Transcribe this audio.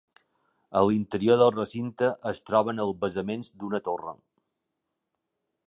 A l'interior del recinte, es troben els basaments d'una torre.